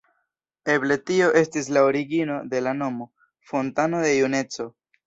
Eble tio estis la origino de la nomo ""fontano de juneco"".